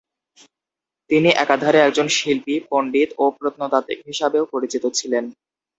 তিনি একাধারে একজন শিল্পী, পণ্ডিত ও প্রত্নতাত্ত্বিক হিসাবেও পরিচিত ছিলেন।